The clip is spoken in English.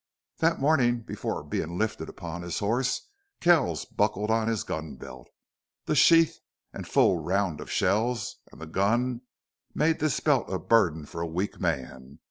That morning, before being lifted upon his horse, Kells buckled on his gun belt. The sheath and full round of shells and the gun made this belt a burden for a weak man.